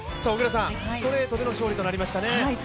ストレートでの勝利となりましたね。